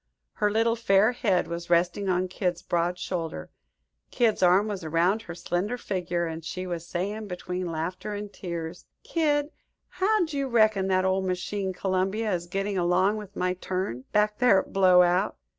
Her little fair head was resting on Kid's broad shoulder; Kid's arm was around her slender figure; and she was saying, between laughter and tears: "Kid, how do you reckon that old machine Columbia is getting along with my turn, back there at Blowout?"